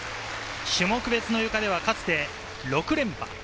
種目別のゆかでは、かつて６連覇。